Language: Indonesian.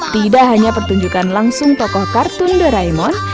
tidak hanya pertunjukan langsung tokoh kartun doraemon